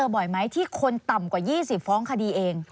บ่อยไหมที่คนต่ำกว่า๒๐ฟ้องคดีเอง